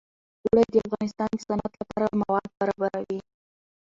اوړي د افغانستان د صنعت لپاره مواد برابروي.